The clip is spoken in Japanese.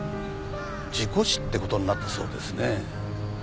事故死って事になったそうですね。